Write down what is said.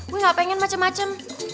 gue enggak pengen macem macem